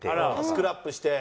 スクラップして。